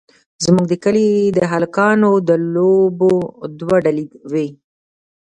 زموږ د کلي د هلکانو د لوبو دوه ډلې وې.